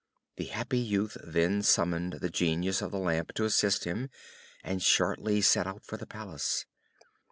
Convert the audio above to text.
The happy youth then summoned the Genius of the Lamp to assist him; and shortly set out for the Palace.